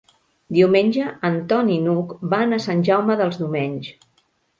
Diumenge en Ton i n'Hug van a Sant Jaume dels Domenys.